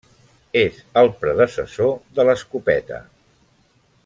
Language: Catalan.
És el predecessor de l'escopeta.